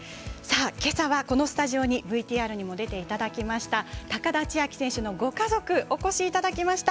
けさはこのスタジオにＶＴＲにも出ていただきました高田千明選手のご家族お越しいただきました。